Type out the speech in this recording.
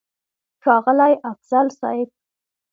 ښاغلی افضل صيب!!